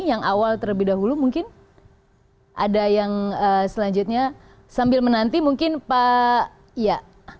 yang awal terlebih dahulu mungkin ada yang selanjutnya sambil menanti mungkin pak ya